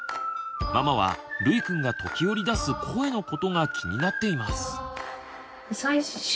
ママはるいくんが時折出す声のことが気になっています。